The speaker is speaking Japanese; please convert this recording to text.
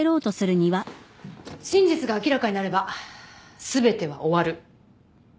真実が明らかになれば全ては終わる。